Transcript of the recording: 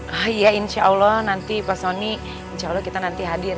ah ya insya allah nanti pak soni insya allah kita nanti hadir